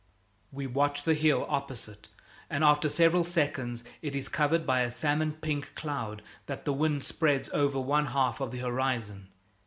We watch the hill opposite, and after several seconds it is covered by a salmon pink cloud that the wind spreads over one half of the horizon.